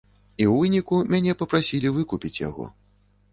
І ў выніку мяне папрасілі выкупіць яго.